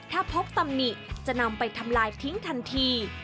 ถ้าพบตำหนิจะนำไปทำลายทิ้งทันที